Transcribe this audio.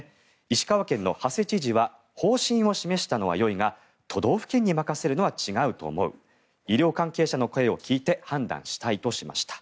石川県の馳知事は方針を示したのはよいが都道府県に任せるのは違うと思う医療関係者の声を聞いて判断したいとしました。